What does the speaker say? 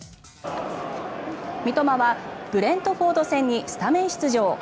三笘はブレントフォード戦にスタメン出場。